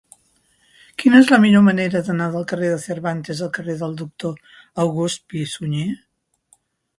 Quina és la millor manera d'anar del carrer de Cervantes al carrer del Doctor August Pi i Sunyer?